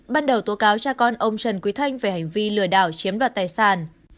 ban đầu tố cáo cha con ông trần quý thanh về hành vi lừa đảo chiếm đoạt tài sản